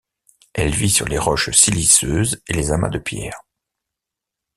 Elle vit sur les roches siliceuses et les amas de pierre.